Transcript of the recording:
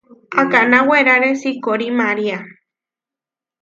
Akaná weraré sikorí María.